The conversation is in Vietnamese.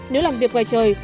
nếu làm việc ngoài trời